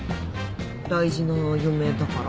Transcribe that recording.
大事な嫁だから？